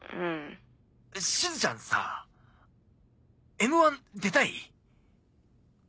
しずちゃんさ『Ｍ−１』出たい？